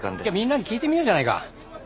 じゃみんなに聞いてみようじゃないか。